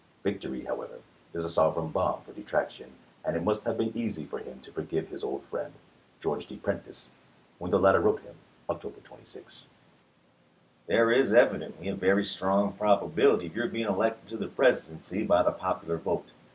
Victory, however, is a sovereign balm for detraction; and it must have been easy for him to forgive his old friend George D. Prentice when the latter wrote him (October 26) : "There is evidently a very strong probability of your being elected to the Presidency by the pop ular vote."